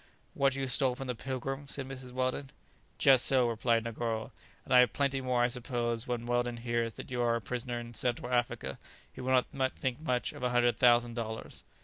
"What you stole from the 'Pilgrim'?" said Mrs. Weldon. "Just so," replied Negoro; "and I have plenty more I suppose when Weldon hears that you are a prisoner in Central Africa, he will not think much of a hundred thousand dollars."